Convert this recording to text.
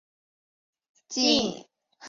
近亲长臂蟹为玉蟹科长臂蟹属的动物。